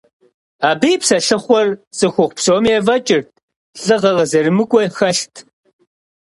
Абы и псэлъыхъур цӀыхухъу псоми ефӀэкӀырт, лӀыгъэ къызэрымыкӀуэ хэлът.